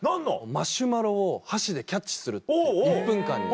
マシュマロを箸でキャッチする１分間に。